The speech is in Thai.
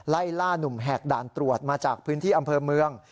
ไล่ล่านุ่มแหกด่านตรวจมาจากพื้นที่อำเภอเมือง